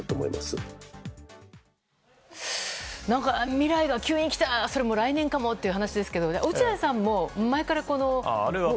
未来が急に来たそれも来年かも！という話ですが落合さんも前から。